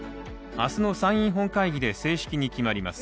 明日の参院本会議で正式に決まります。